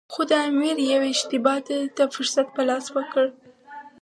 خو د امیر یوې اشتباه دوی ته فرصت په لاس ورکړ.